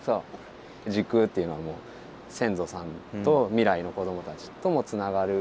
時空っていうのは先祖さんと未来の子どもたちともつながる。